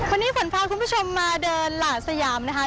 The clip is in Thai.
วันนี้ฝนพาคุณผู้ชมมาเดินหลาดสยามนะคะ